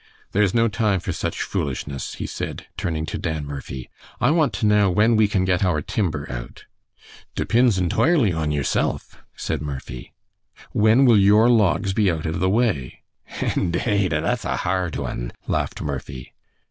"There is no time for such foolishness," he said, turning to Dan Murphy. "I want to know when we can get our timber out." "Depinds intoirly on yirsilf," said Murphy. "When will your logs be out of the way?" "Indade an' that's a ha r r d one," laughed Murphy.